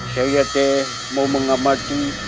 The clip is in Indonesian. saya teh mau mengamati